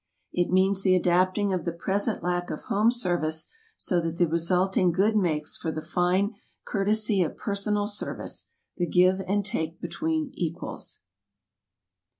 It means the adapting of the present lack of home service so that the resulting good makes for the fine courtesy of personal service — the give and take be tween equals.